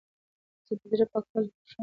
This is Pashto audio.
زه د زړه پاکوالی خوښوم.